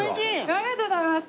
ありがとうございます。